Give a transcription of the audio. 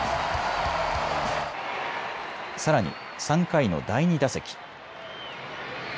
さらに３回の第２打席。